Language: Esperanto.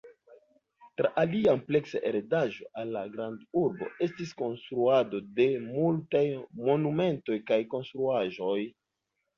Tra lia ampleksa heredaĵo al la grandurbo estis konstruado de multaj monumentoj kaj konstruaĵoj.